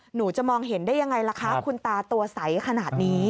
หนูจะมองเห็นได้ยังไงล่ะคะคุณตาตัวใสขนาดนี้